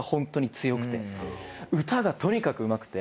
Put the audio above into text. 歌がとにかくうまくて。